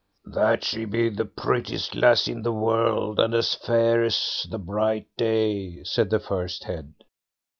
"That she be the prettiest lassie in the world, and as fair as the bright day", said the first head.